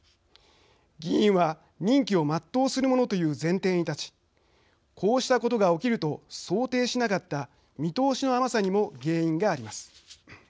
議員は任期を全うするものという前提に立ちこうしたことが起きると想定しなかった見通しの甘さにも原因があります。